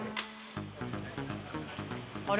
あれ？